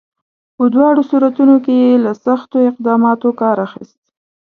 په دواړو صورتونو کې یې له سختو اقداماتو کار اخیست.